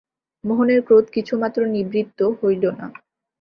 মোহনের ক্রোধ কিছুমাত্র নিবৃত্ত হইল না।